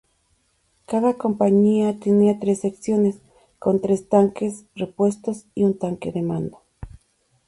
Cada compañía tenía tres secciones, con tres tanques, repuestos y un tanque de mando.